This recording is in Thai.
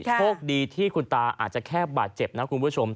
โชคดีที่คุณตาอาจจะแค่บาดเจ็บนะคุณผู้ชม